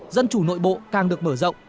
dân chủ nội bộ càng được mở rộng